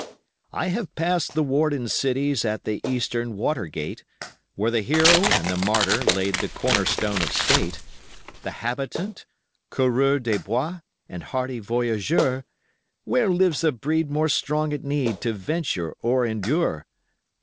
I have passed the warden cities at the Eastern water gate Where the hero and the martyr laid the corner stone of State, The habitant, coureur des bois, and hardy voyageur Where lives a breed more strong at need to venture or endure?